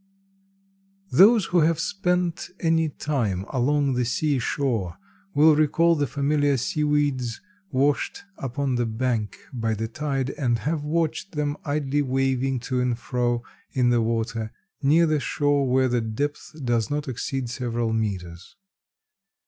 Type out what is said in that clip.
Those who have spent any time along the sea shore will recall the familiar seaweeds washed upon the bank by the tide and have watched them idly waving to and fro in the water near the shore where the depth does not exceed several meters.